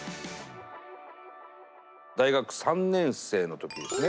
大学３年生の時ですね。